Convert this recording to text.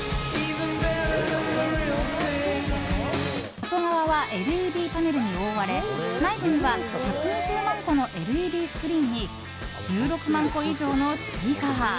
外側はＬＥＤパネルに覆われ内部には１２０万個のＬＥＤスクリーンに１６万個以上のスピーカー。